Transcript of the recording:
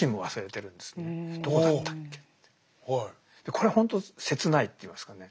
これはほんと切ないっていいますかね。